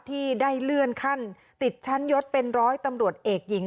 ที่ได้เลื่อนขั้นติดชั้นยศเป็นร้อยตำรวจเอกหญิง